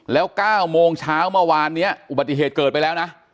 แล้ว๙โมงเช้าเมื่อวานนี้อุบัติเหตุเกิดไปแล้วนะ